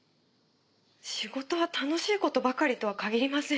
仕事は楽しい事ばかりとは限りません。